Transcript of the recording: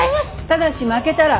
ただし負けたら。